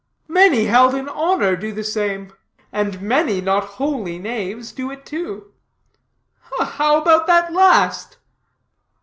"Many held in honor do the same; and many, not wholly knaves, do it too." "How about that last?"